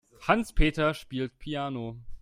Hans-Peter spielt Piano.